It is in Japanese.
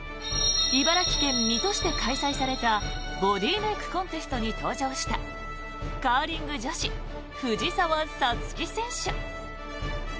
茨城県水戸市で開催されたボディーメイクコンテストに登場したカーリング女子、藤澤五月選手。